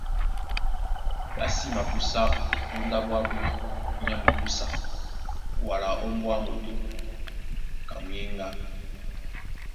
Ɓá sí mabúsá ó ndáɓo ábū nyá mukúsa wala ó mbóá moto ka muyéŋgá.